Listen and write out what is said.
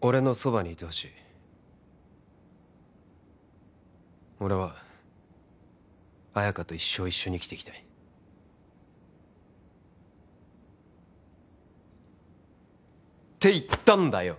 俺のそばにいてほしい俺は綾華と一生一緒に生きていきたいって言ったんだよ！